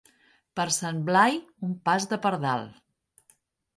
Per Sant Blai, un pas de pardal.